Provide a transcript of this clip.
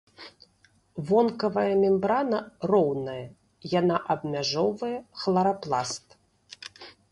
Вонкавая мембрана роўная, яна абмяжоўвае хларапласт.